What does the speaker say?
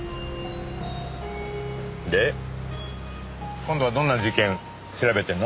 今度はどんな事件調べてんの？